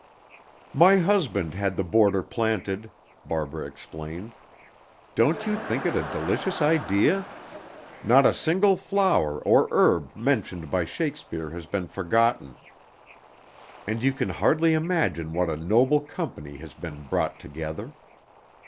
"My husband had the border planted," Barbara explained. "Don't you think it a delicious idea? Not a single flower or herb mentioned by Shakespeare has been forgotten, and you can hardly imagine what a noble company has been brought together.